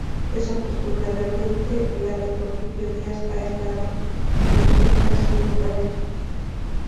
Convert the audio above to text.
Desafortunadamente la de Porfirio Díaz ha estado proscrita cien años.